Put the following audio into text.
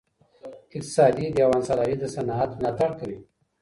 اقتصادي دیوان سالاري د صنعت ملاتړ کوي.